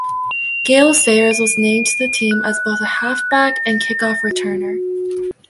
Gale Sayers was named to the team as both a halfback and kickoff returner.